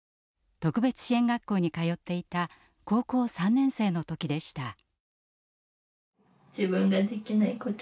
特別支援学校に通っていた高校３年生のときでした。